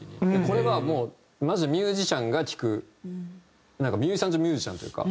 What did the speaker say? これはもうマジでミュージシャンが聴くミュージシャンズ・ミュージシャンというか。